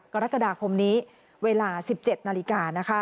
กรกฎาคมนี้เวลา๑๗นาฬิกา